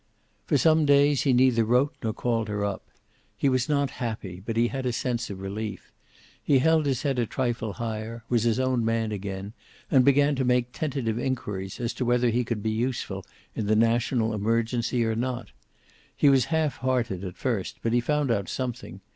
For some days he neither wrote nor called her up. He was not happy, but he had a sense of relief. He held his head a trifle higher, was his own man again, and he began to make tentative inquiries as to whether he could be useful in the national emergency or not. He was half hearted at first, but he found out something.